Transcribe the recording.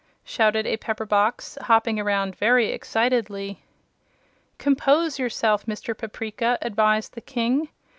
shouted a pepperbox, hopping around very excitedly. "Compose yourself, Mr. Paprica," advised the King.